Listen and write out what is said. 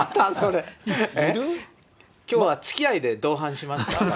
きょうはつきあいで同伴しました。